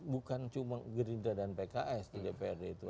bukan cuma gerinda dan pks tidak ada yang bisa dipercaya